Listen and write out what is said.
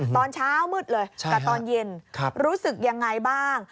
ตอนเช้ามืดเลยกับตอนเย็นรู้สึกยังไงบ้าง